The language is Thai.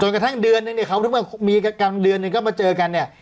จนกระทั่งเดือนนึงเขาทุกคนมีกับกันเดือนนึงก็มาเจอกันเนี่ย